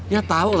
ya tau lah kum